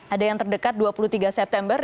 ada yang terdekat dua puluh tiga september